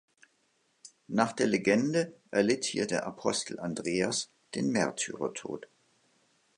Nach der Legende erlitt hier der Apostel Andreas den Märtyrertod.